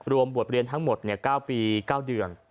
บวชเรียนทั้งหมด๙ปี๙เดือน